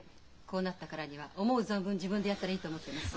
こうなったからには思う存分自分でやったらいいと思ってます。